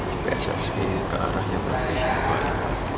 di pssi kearahnya berarti banyak